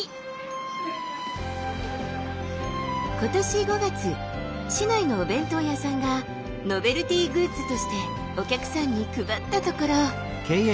今年５月市内のお弁当屋さんがノベルティーグッズとしてお客さんに配ったところ。